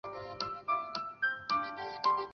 宋代以前称解头。